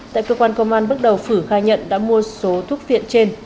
tại cơ quan công an bước đầu phử khai nhận đã mua số thuốc phiện trên